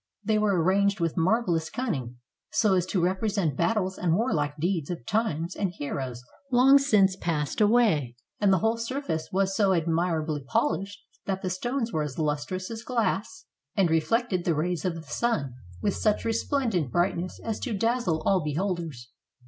They were arranged with marvelous cunning, so as to repre sent battles and warlike deeds of times and heroes long since passed away, and the whole surface was so admi rably polished that the stones were as lustrous as glass, 435 SPAIN and reflected the rays of the sun with such resplendent brightness as to dazzle all beholders.